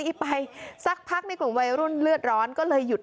จะมระบกดท่ารห่วงศัตรู